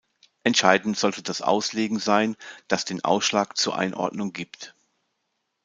Entscheidend sollte das Auslegen sein, das den Ausschlag zur Einordnung gibt.